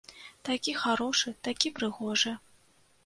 Такі харошы, такі прыгожы.